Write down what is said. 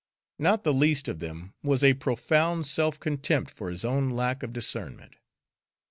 Not the least of them was a profound self contempt for his own lack of discernment.